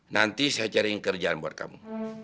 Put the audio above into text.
nanti saya cari kerjaan buat kamu